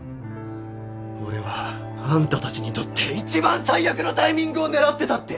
俺はあんたたちにとって一番最悪のタイミングを狙ってたって。